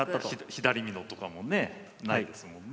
左美濃とかもねないですもんね。